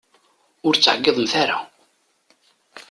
Ur ttɛeggiḍemt ara!